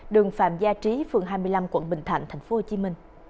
đường phạm gia trí phường hai mươi năm quận bình thạnh tp hcm